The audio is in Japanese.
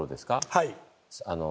はい。